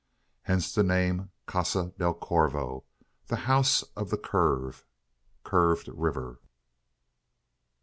Hence the name Casa del Corvo "the House of the Curve" (curved river).